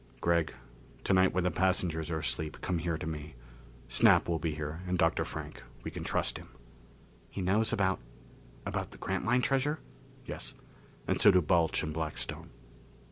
Gregg, tonight when the passengers are asleep, come here to me. Snap will be here, and Dr. Frank. We can trust him." "He knows about about the Grantline treasure?" "Yes. And so do Balch and Blackstone."